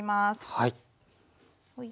はい。